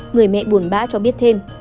người mẹ buồn bá cho biết thêm